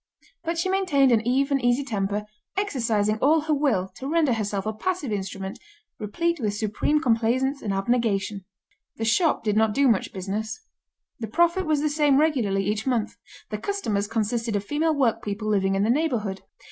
But she maintained an even, easy temper, exercising all her will to render herself a passive instrument, replete with supreme complaisance and abnegation. The shop did not do much business. The profit was the same regularly each month. The customers consisted of female workpeople living in the neighbourhood.